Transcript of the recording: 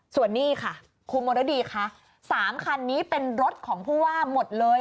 ส่วนนี้ค่ะคุณมรดีคะ๓คันนี้เป็นรถของผู้ว่าหมดเลย